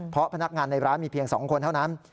เพราะพนักงานในร้านมีเพียง๒คนเท่านั้น